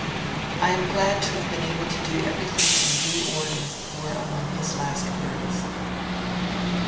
'I am glad to have been able to do everything in due order', were among his last words.